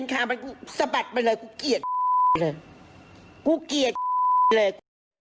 แล้วอันนี้ก็เปิดแล้ว